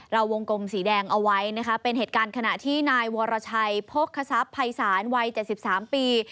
วงกลมสีแดงเอาไว้นะคะเป็นเหตุการณ์ขณะที่นายวรชัยโภคศัพย์ภัยศาลวัย๗๓ปี